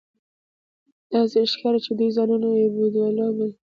داسې ښکاري چې دوی ځانونه اېبودالو بولي